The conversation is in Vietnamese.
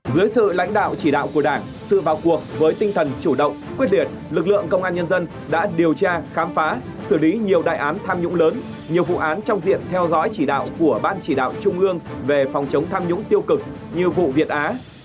dưới sự lãnh đạo chỉ đạo của đảng sự vào cuộc với tinh thần chủ động quyết liệt lực lượng công an nhân dân đã điều tra khám phá xử lý nhiều đại án tham nhũng lớn nhiều vụ án trong diện theo dõi chỉ đạo của ban chỉ đạo trung ương về phòng chống tham nhũng tiêu cực như vụ việt á